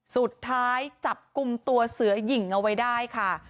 สุดท้ายจับกลุ่มตัวเสือหญิงเอาไว้ได้ค่ะ